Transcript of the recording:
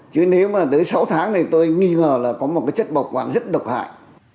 chứ nếu mà tới sáu tháng này tôi nghi ngờ là có một cái chất bảo quản rất độc hại